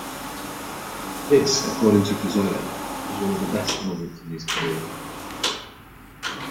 This according to Kazuya, was one of the best moments in his career.